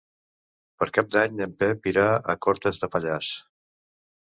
Per Cap d'Any en Pep irà a Cortes de Pallars.